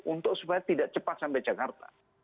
untuk supaya tidak cepat sampai jakarta